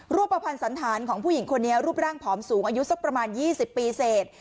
รูปภัณฑ์สันธารของผู้หญิงคนนี้รูปร่างผอมสูงอายุสักประมาณ๒๐ปีเศษ